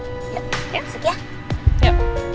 yuk ya masukin ya